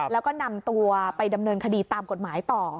แล้วก็นำตัวไปดำเนินคดีตามกฎหมายต่อ